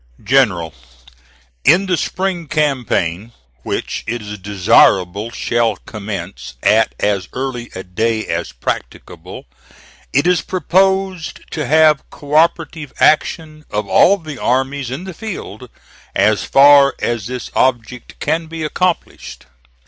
"GENERAL: In the spring campaign, which it is desirable shall commence at as early a day as practicable, it is proposed to have cooperative action of all the armies in the field, as far as this object can be accomplished.